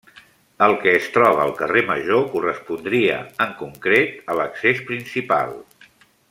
El que es troba al carrer Major correspondria, en concret, a l'accés principal.